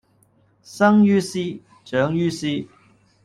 生於斯，長於斯